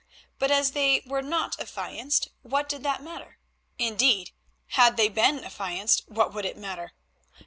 But as they were not affianced what did that matter? Indeed, had they been affianced, what would it matter?